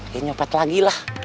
ya nyopet lagi lah